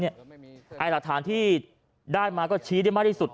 หลักฐานที่ได้มาก็ชี้ได้มากที่สุด